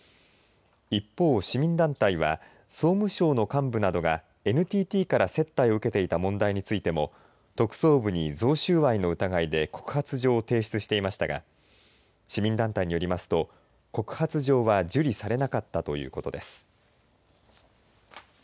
一方、市民団体は総務省の幹部などがＮＴＴから接待を受けていた問題についても特捜部に贈収賄の疑いで告発状を提出していましたが市民団体によりますと告発状は受理されなかったということです。